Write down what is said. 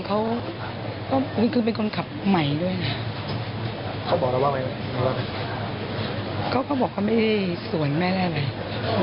เขาไม่เห็นเลยว่าทางรถไฟแดงมันลงมาแล้ว